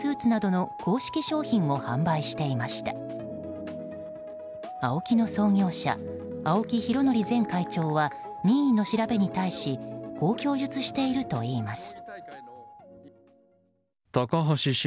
ＡＯＫＩの創業者青木拡憲前会長は任意の調べに対しこう供述しているといいます。